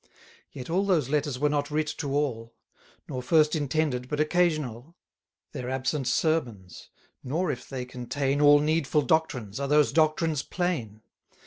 Yet all those letters were not writ to all; Nor first intended but occasional, Their absent sermons; nor if they contain 340 All needful doctrines, are those doctrines plain.